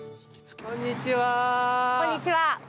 こんにちは。